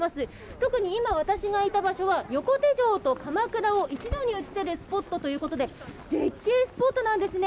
特に今、私がいた場所は横手城とかまくらを一度に映せるスポットということで絶景スポットなんですね。